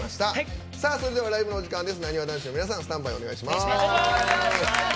それではライブのお時間です。